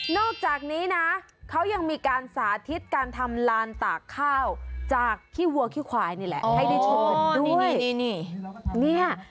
อกจากนี้นะเขายังมีการสาธิตการทำลานตากข้าวจากขี้วัวขี้ควายนี่แหละให้ได้ชมกันด้วยนี่นี่